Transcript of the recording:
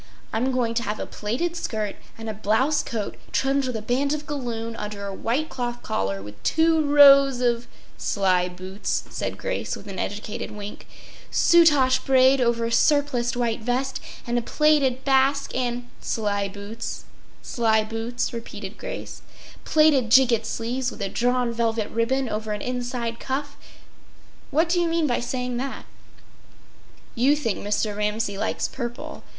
I’m going to have a plaited skirt and a blouse coat trimmed with a band of galloon under a white cloth collar with two rows of—” “Sly boots!” said Grace with an educated wink. “—soutache braid over a surpliced white vest; and a plaited basque and—” “Sly boots—sly boots!” repeated Grace. “—plaited gigot sleeves with a drawn velvet ribbon over an inside cuff. What do you mean by saying that?” “You think Mr. Ramsay likes purple.